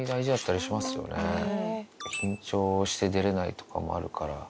緊張して出れないとかもあるから。